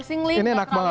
ini enak banget